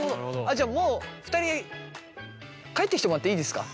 じゃあもう２人帰ってきてもらっていいですか？